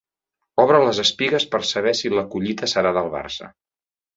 Obre les espigues per saber si la collita serà del Barça.